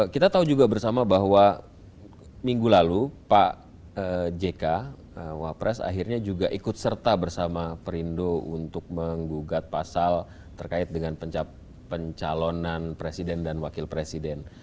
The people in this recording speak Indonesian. kita tahu juga bersama bahwa minggu lalu pak jk wapres akhirnya juga ikut serta bersama perindo untuk menggugat pasal terkait dengan pencalonan presiden dan wakil presiden